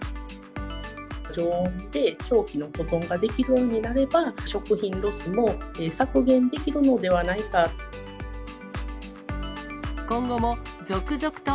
常温で長期の保存ができるようになれば、食品ロスも削減できるのではないかと。